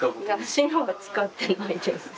白は使ってないです。